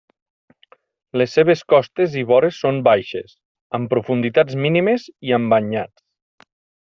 Les seves costes i vores són baixes, amb profunditats mínimes i amb banyats.